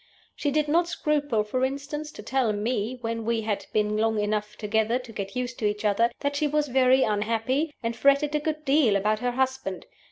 She did not scruple, for instance, to tell me (when we had been long enough together to get used to each other) that she was very unhappy, and fretted a good deal about her husband.